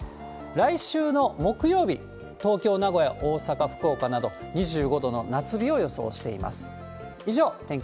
来週の木曜日、東京、名古屋、大阪、福岡など２５度の夏日を予想しています。